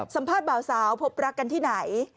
สัมภาษณ์บ่าวสาวพบรักกันที่ไหน